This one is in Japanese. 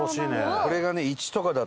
これがね。